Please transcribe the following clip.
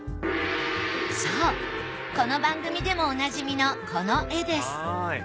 そうこの番組でもおなじみのこの絵です。